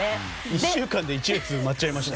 １週間で１列、埋まっちゃいました。